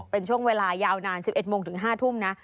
เป็นช่วงเวลายาวนาน๑๑โมงถึง๕ทุ่มนะ